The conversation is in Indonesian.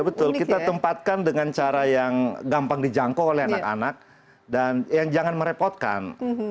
betul kita tempatkan dengan cara yang gampang dijangkau oleh anak anak dan yang jangan merepotkan